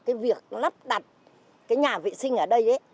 cái việc lắp đặt cái nhà vệ sinh ở đây